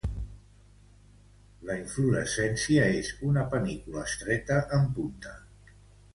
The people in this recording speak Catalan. La inflorescència és una panícula estreta en punta.